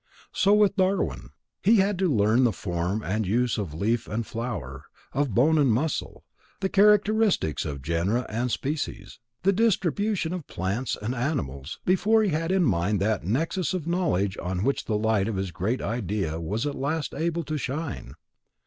So with Darwin. He had to learn the form and use of leaf and flower, of bone and muscle; the characteristics of genera and species; the distribution of plants and animals, before he had in mind that nexus of knowledge on which the light of his great idea was at last able to shine.